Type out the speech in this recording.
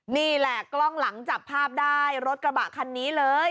นี่แหละกล้องหลังจับภาพได้รถกระบะคันนี้เลย